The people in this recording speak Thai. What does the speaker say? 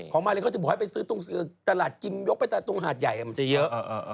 มาเลเขาจะบอกให้ไปซื้อตรงตลาดกิมยกไปแต่ตรงหาดใหญ่มันจะเยอะ